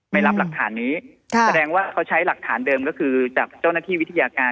ไม่รับหลักฐานนี้แสดงว่าเขาใช้หลักฐานเดิมก็คือจากเจ้าหน้าที่วิทยาการ